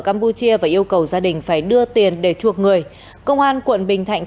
campuchia và yêu cầu gia đình phải đưa tiền để chuộc người công an quận bình thạnh